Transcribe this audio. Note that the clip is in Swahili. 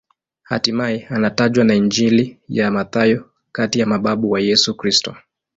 Hatimaye anatajwa na Injili ya Mathayo kati ya mababu wa Yesu Kristo.